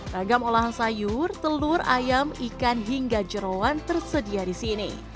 ragam olahan sayur telur ayam ikan hingga jerawan tersedia di sini